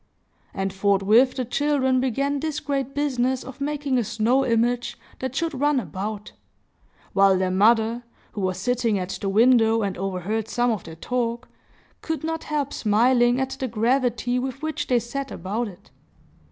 And forthwith the children began this great business of making a snow image that should run about; while their mother, who was sitting at the window and overheard some of their talk, could not help smiling at the gravity with which they set about it.